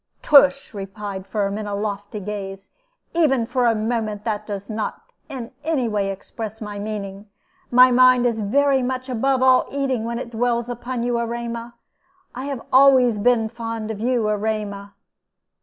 "Tush!" replied Firm, with a lofty gaze. "Even for a moment that does not in any way express my meaning. My mind is very much above all eating when it dwells upon you, Erema. I have always been fond of you, Erema."